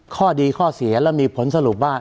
ข้อดีข้อเสียแล้วมีผลสรุปว่า